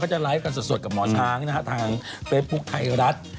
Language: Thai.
จะไลฟ์กันสดกับหมอช้างนะฮะทางเฟซบุ๊คไทยรัฐ